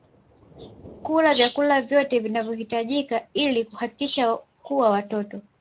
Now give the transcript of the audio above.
kula vyakula vyote vinavyohitajika ili kuhakikisha kuwa watoto